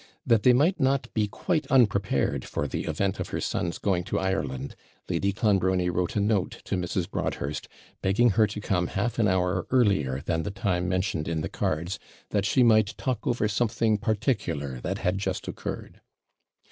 That they might not be quite unprepared for the event of her son's going to Ireland, Lady Clonbrony wrote a note to Mrs. Broadhurst, begging her to come half an hour earlier than the time mentioned in the cards, 'that she might talk over something PARTICULAR that had just occurred.'